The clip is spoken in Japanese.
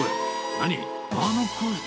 何？